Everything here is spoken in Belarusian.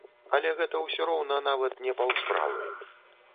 Але гэта ўсё роўна нават не паўсправы.